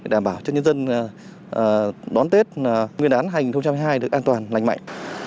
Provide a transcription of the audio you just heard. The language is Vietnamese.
đảm bảo cho nhân dân đón tết nguyên đán hai nghìn hai mươi hai được an toàn lành mạnh